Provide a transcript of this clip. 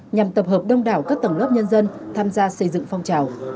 nhằm tập hợp đông đảo các tầng lớp nhân dân tham gia xây dựng phong trào